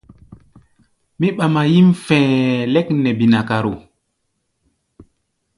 Mí ɓama yíʼm fɛ̧ɛ̧ lɛ́k nɛ binakaro.